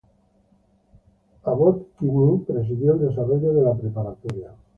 Abbot Kinney presidió el desarrollo de la preparatoria.